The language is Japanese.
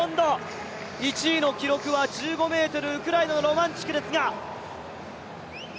１位の記録は１５ｍ、ウクライナのロマンチュクですが。